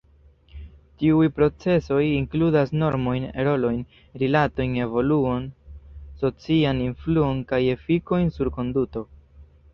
Tiuj procezoj inkludas normojn, rolojn, rilatojn, evoluon, socian influon kaj efikojn sur konduto.